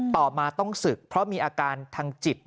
ต่อมาต้องศึกเพราะมีอาการทางจิต